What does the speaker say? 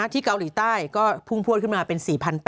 เกาหลีใต้ก็พุ่งพวดขึ้นมาเป็น๔๘๐๐